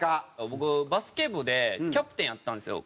僕バスケ部でキャプテンやってたんですよ。